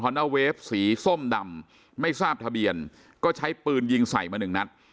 นาเวฟสีส้มดำไม่ทราบทะเบียนก็ใช้ปืนยิงใส่มาหนึ่งนัด